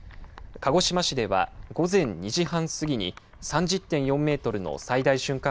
鹿児島市では午前２時半過ぎに３０．４メートルの最大瞬間